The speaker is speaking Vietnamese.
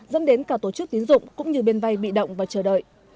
dẫn đến cả tổ chức tiến dụng cũng như bên vai bị động và chờ đợi